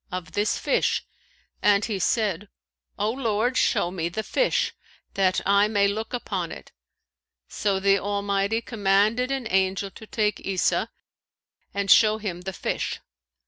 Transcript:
) of this fish, and he said, 'O Lord show me the fish, that I may look upon it.' So the Almighty commanded an angel to take Isa and show him the fish.